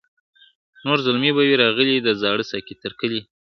نور زلمي به وي راغلي د زاړه ساقي تر کلي ,